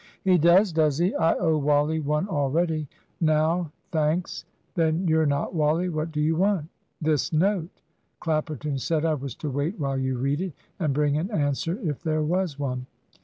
"He does, does he? I owe Wally one already, now " "Thanks then you're not Wally. What do you want?" "This note. Clapperton said I was to wait while you read it, and bring an answer if there was one."